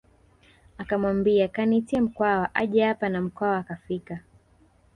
Akamwambia kaniitie Mkwawa aje hapa na Mkwawa akafika